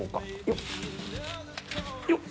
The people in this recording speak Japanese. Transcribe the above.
よっ！